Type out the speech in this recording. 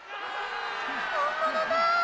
本物だ！